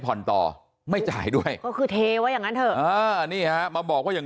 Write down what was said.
ผ่อนต่อไม่จ่ายด้วยก็คือเทไว้อย่างนั้นเถอะอ่านี่ฮะมาบอกว่าอย่าง